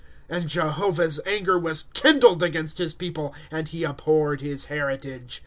*" And Jehovah's anger was kindled against his people, And he abhorred his heritage.